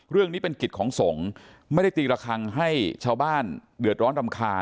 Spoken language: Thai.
เรื่องนี้เป็นกิจของสงฆ์ไม่ได้ตีละครั้งให้ชาวบ้านเดือดร้อนรำคาญ